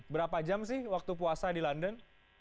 berapa jam sih waktu puasa di london